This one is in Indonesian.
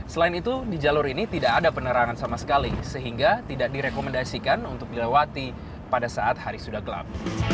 selain itu di jalur ini tidak ada penerangan sama sekali sehingga tidak direkomendasikan untuk dilewati pada saat hari sudah gelap